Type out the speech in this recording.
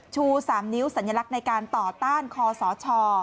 ชู๓นิ้วสัญลักษณ์ในการต่อต้านคอสช